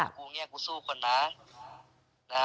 ก็อยากจะบอกว่า